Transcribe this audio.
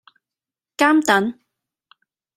監躉